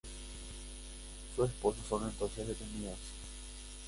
Sus esposas son entonces detenidas.